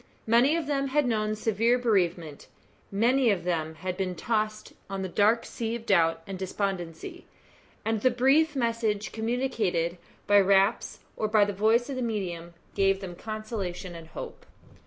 Many of them had known severe bereavement many of them had been tossed on the dark sea of doubt and despondency and the brief messages communicated by raps, or by the voice of the medium, gave them consolation and hope.